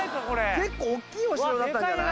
結構大きいお城だったんじゃない。